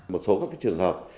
một số các trường hợp